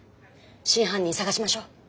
真犯人捜しましょう。